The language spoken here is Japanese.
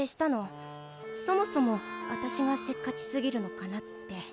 そもそも私がせっかちすぎるのかなって。